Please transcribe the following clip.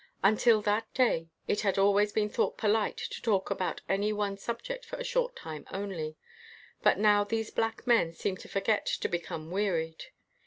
Until that day, it had al ways been thought polite to talk about any one subject for a short time only; but now these black men seemed to forget to become wearied.